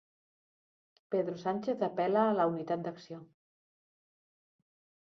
Pedro Sánchez apel·la a la unitat d'acció.